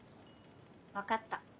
分かった。